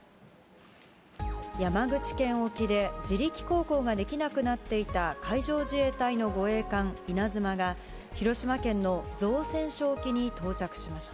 山口県沖で、自力航行ができなくなっていた海上自衛隊の護衛艦いなづまが、広島県の造船所沖に到着しました。